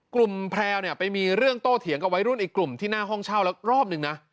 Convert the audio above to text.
แพลวเนี่ยไปมีเรื่องโตเถียงกับวัยรุ่นอีกกลุ่มที่หน้าห้องเช่าแล้วรอบหนึ่งนะ